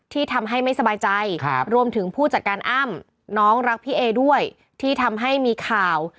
ที่ทำให้ไม่สบายใจรวมถึงผู้จัดการอ้ำน้องรักพี่เอด้วยที่ทำให้มีข่าว